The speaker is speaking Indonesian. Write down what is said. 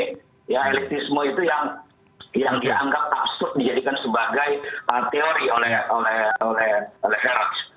karena elitisme itu yang dianggap absurd dijadikan sebagai teori oleh herac